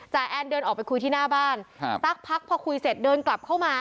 แอนเดินออกไปคุยที่หน้าบ้านครับสักพักพอคุยเสร็จเดินกลับเข้ามา